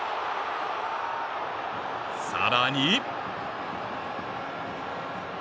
さらに。